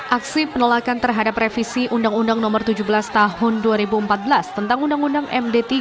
aksi penolakan terhadap revisi undang undang nomor tujuh belas tahun dua ribu empat belas tentang undang undang md tiga